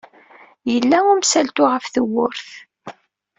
Yella umsaltu ɣef tewwurt.